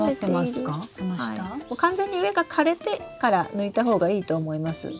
完全に上が枯れてから抜いた方がいいと思います。